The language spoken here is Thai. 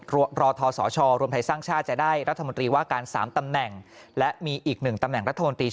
รอทะสชรวมไทยสร้างชาติจะได้รัฐมนตรีว่าการ๓ตำแหน่ง